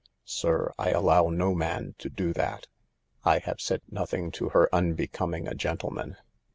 Sir, I allow no man to 'do that.' 1 " I have said nothing to her unbecoming a gentleman."